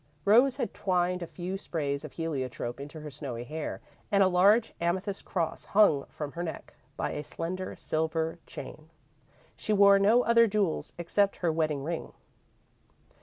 Rose had twined a few sprays of heliotrope into her snowy hair and a large amethyst cross hung from her neck by a slender silver chain. She wore no other jewels except her wedding ring.